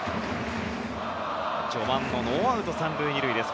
序盤のノーアウト３塁２塁です。